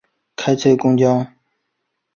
开车公车